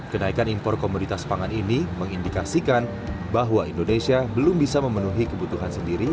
kenaikan impor komoditas pangan ini mengindikasikan bahwa indonesia belum bisa memenuhi kebutuhan sendiri